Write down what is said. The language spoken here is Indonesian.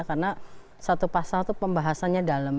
karena satu pasal itu pembahasannya dalam